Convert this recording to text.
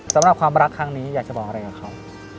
สำหรับความรักครั้งนี้อยากจะบอกอะไรกับเขา